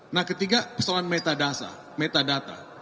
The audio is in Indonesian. nah ketiga persoalan metadasa metadata